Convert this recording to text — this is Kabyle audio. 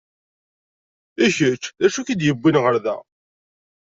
I kečč d acu i k-id-yewwin ɣer da?